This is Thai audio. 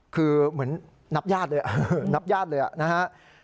คือเหมือนนับญาติเลยนะฮะ